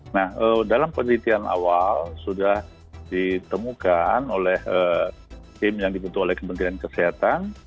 nah dalam penelitian awal sudah ditemukan oleh tim yang dibentuk oleh kementerian kesehatan